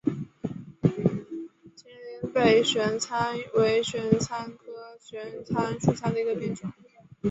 秦岭北玄参为玄参科玄参属下的一个变种。